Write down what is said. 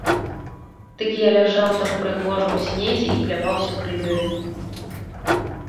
Дык я ляжаў так прыгожа ў снезе і пляваўся крывёй.